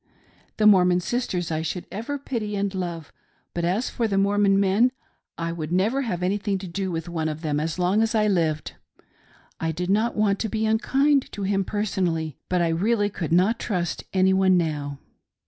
The Mormon sisters I should ever pity and love ; but as for the Mormon men, I would never have anything to do with one of them asi long as I lived. I did not want, to be unkind to him personally, but I reallji could not trust any one now.